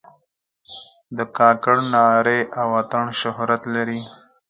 د کاکړ نغارې او اتڼ شهرت لري.